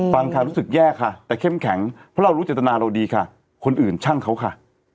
ฟังค่ะรู้สึกแย่ค่ะแต่เข้มแข็งเพราะเรารู้เจตนาเราดีค่ะคนอื่นช่างเขาค่ะ